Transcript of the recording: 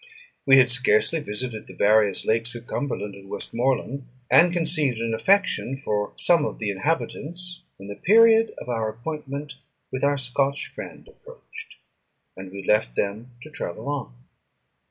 We had scarcely visited the various lakes of Cumberland and Westmorland, and conceived an affection for some of the inhabitants, when the period of our appointment with our Scotch friend approached, and we left them to travel on.